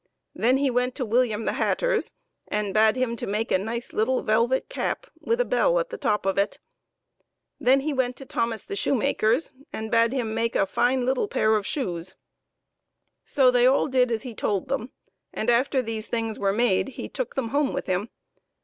Then he went to William the hatter's, and bade him to make a nice little velvet cap with a bell at the top of it. FARMER GRIGGS'S BOGGART. 83 Then he went to Thomas the shoemaker's, and bade him to make a fine little pair of shoes. So they all did as he told them, and after these things were made he took them home with him.